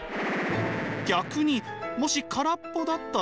逆にもし空っぽだったら？